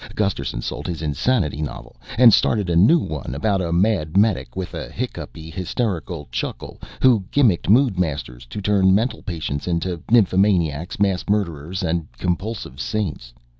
Gusterson sold his insanity novel and started a new one about a mad medic with a hiccupy hysterical chuckle, who gimmicked Moodmasters to turn mental patients into nymphomaniacs, mass murderers and compulsive saints.